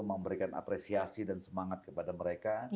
memberikan apresiasi dan semangat kepada mereka